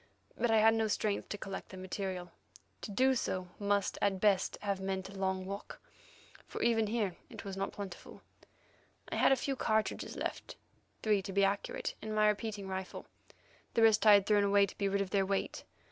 But I had no strength to collect the material. To do so at best must have meant a long walk, for even here it was not plentiful. I had a few cartridges left—three, to be accurate—in my repeating rifle; the rest I had thrown away to be rid of their weight.